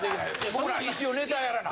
僕ら一応ネタやらな。